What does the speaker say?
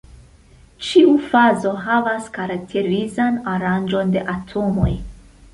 Ĉiu fazo havas karakterizan aranĝon de atomoj.